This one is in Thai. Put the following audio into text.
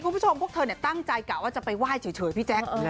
คุณผู้ชมพวกเธอตั้งใจกล่าวว่าจะไปไหว้เฉยพี่แจ๊ค